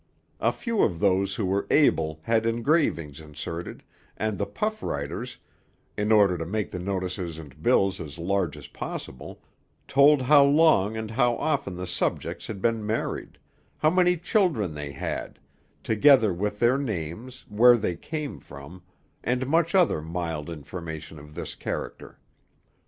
A few of those who were able had engravings inserted, and the puff writers, in order to make the notices and bills as large as possible, told how long and how often the subjects had been married; how many children they had, together with their names, where they came from, and much other mild information of this character.